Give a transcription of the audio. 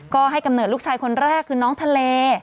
ก็ให้กำเนิดลูกชายคนแรกคือน้องทะเล